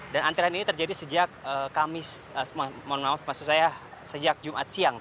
dan antrian ini terjadi sejak jumat siang